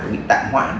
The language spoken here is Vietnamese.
bị tạm hoãn